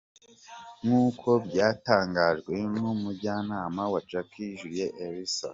Nkuko byatangajwe numujyanama wa Jackie, Julie Erusa,.